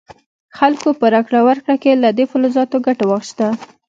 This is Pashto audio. خلکو په راکړه ورکړه کې له دې فلزاتو ګټه واخیسته.